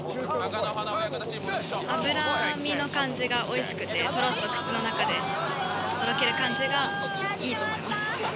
脂身の感じがおいしくて、とろっと口の中でとろける感じがいいと思います。